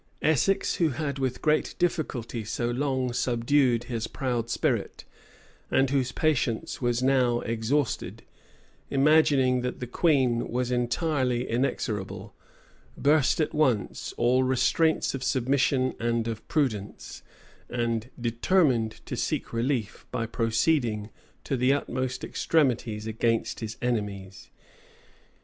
Essex, who had with great difficulty so long subdued his proud spirit, and whose patience was now exhausted, imagining that the queen was entirely inexorable, burst at once all restraints of submission and of prudence, and determined to seek relief by proceeding to the utmost extremities against his enemies.